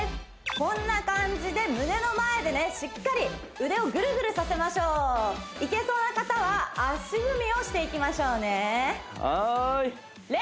こんな感じで胸の前でしっかり腕をぐるぐるさせましょういけそうな方は足踏みをしていきましょうねはーい！